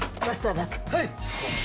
はい！